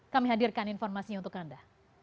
kami hadirkan informasinya untuk anda